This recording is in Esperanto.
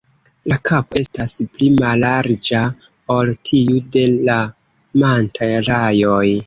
La kapo estas pli mallarĝa ol tiu de la Manta-rajoj.